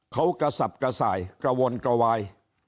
เขากระสับกระส่ายกระวนกระวาย